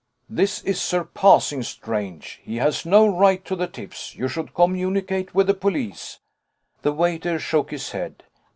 "This is surpassing strange. He has no right to the tips. You should communicate with the police." The waiter shook his head.